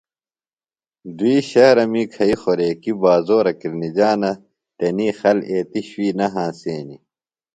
دُئی شہرہ می کھیئی خوریکیۡ بازورہ کِرنِجانہ تنی خل ایتیۡ شُوئی نہ ہنسینیۡ۔